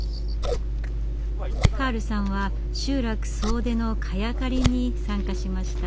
カールさんは集落総出の萱刈りに参加しました。